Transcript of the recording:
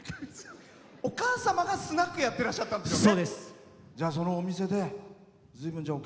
お母様がスナックやってらっしゃったんですよね。